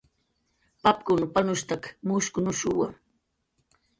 Papkun palnushstak mushkunushu